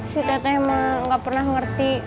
si tete emang gak pernah ngerti